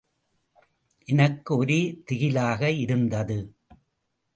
எனக்கு ஒரே திகிலாக இருந்தது.